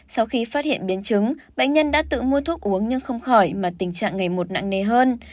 sau khi phát hiện biến chứng bệnh nhân đã tự mua thuốc uống nhưng không khỏi mà tình trạng ngày một nặng nề hơn